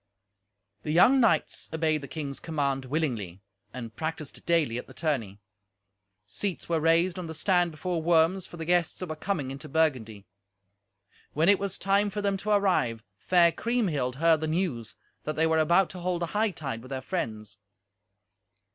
The young knights obeyed the king's command willingly, and practised daily at the tourney. Seats were raised on the stand before Worms for the guests that were coming into Burgundy. When it was time for them to arrive, fair Kriemhild heard the news, that they were about to hold a hightide with their friends.